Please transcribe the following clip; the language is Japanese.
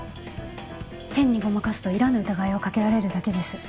変に誤魔化すと要らぬ疑いをかけられるだけです。